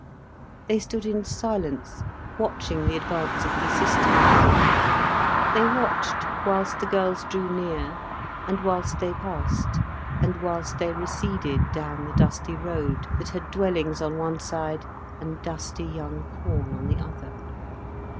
They stood in silence watching the advance of the sisters. They watched whilst the girls drew near, and whilst they passed, and whilst they receded down the dusty road, that had dwellings on one side, and dusty young corn on the other.